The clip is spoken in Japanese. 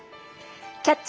「キャッチ！